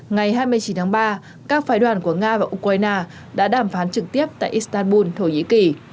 ngày hai mươi chín tháng ba các phái đoàn của nga và ukraine đã đàm phán trực tiếp tại istanbul thổ nhĩ kỳ